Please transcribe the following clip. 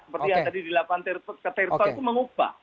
seperti yang tadi dilakukan ke terpal itu mengubah